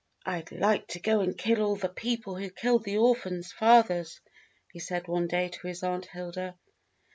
"I'd like to go and kill all the people who killed the orphans' fathers," he said one day to his Aunt Hilda.